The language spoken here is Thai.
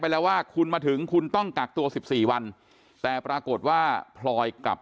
แล้วว่าคุณมาถึงคุณต้องกักตัว๑๔วันแต่ปรากฏว่าพลอยกลับ